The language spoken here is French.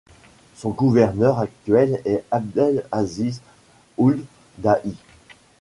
Son gouverneur actuel est Abdel Aziz Ould Dahi.